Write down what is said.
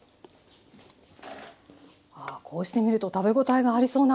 ああこうして見ると食べ応えがありそうな。